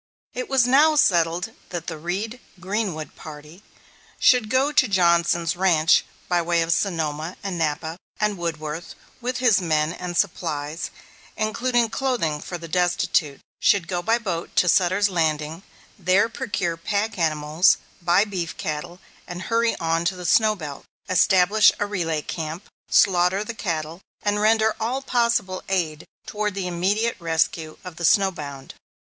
It was now settled that the "Reed Greenwood party" should go to Johnson's ranch by way of Sonoma and Napa, and Woodworth with his men and supplies, including clothing for the destitute, should go by boat to Sutter's Landing; there procure pack animals, buy beef cattle, and hurry on to the snow belt; establish a relay camp, slaughter the cattle, and render all possible aid toward the immediate rescue of the snow bound.